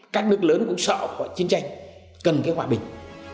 các nước lớn cũng sợ chiến tranh cần cái hòa bình